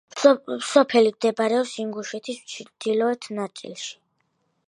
სოფელი მდებარეობს ინგუშეთის ჩრდილოეთ ნაწილში.